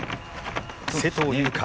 勢藤優花。